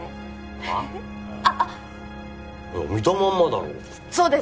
あっあっ見たまんまだろそうです